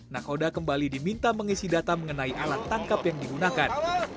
nakoda kembali diminta mengisi data mengenai alat tangkap yang digunakan